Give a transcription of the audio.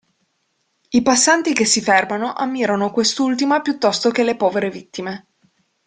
I passanti che si fermano ammirano quest'ultima piuttosto che le povere vittime.